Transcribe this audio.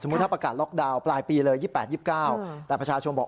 ถ้าประกาศล็อกดาวน์ปลายปีเลย๒๘๒๙แต่ประชาชนบอก